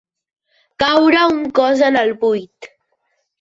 Caure un cos en el buit.